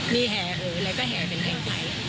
มีแห่เหอแล้วก็แห่เป็นแห่ไทย